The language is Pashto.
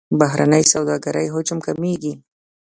بهرنۍ سوداګرۍ حجم کمیږي.